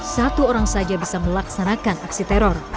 satu orang saja bisa melaksanakan aksi teror